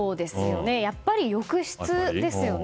やっぱり浴室ですよね。